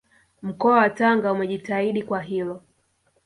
Mkoa wa Tanga umejitahidi kwa hilo